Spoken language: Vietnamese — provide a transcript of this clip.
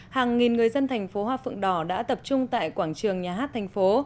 hàng nghìn người dân thành phố hoa phượng đỏ đã tập trung tại quảng trường nhà hát thành phố